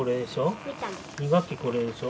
２学期これでしょ。